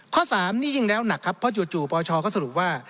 ข้อ๓นี่ยิ่งแล้วหนักครับเพราะจู่ปชก็สรุปว่า